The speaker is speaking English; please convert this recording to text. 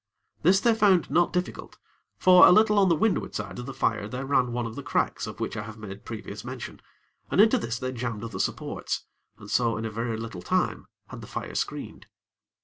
This they found not difficult; for a little on the windward side of the fire there ran one of the cracks of which I have made previous mention, and into this they jammed the supports, and so in a very little time had the fire screened.